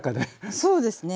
そうですね。